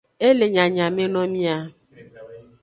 E le nyanyameno mia.